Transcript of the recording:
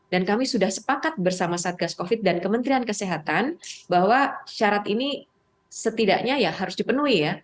dan kami sudah sepakat bersama satgas covid dan kementerian kesehatan bahwa syarat ini setidaknya ya harus dipenuhi ya